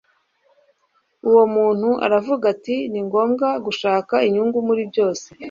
uwo muntu aravuga ati ni ngombwa gushaka inyungu muri byose